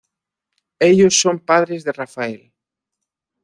Ellos son padres de Rafael.